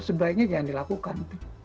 sebaiknya jangan dilakukan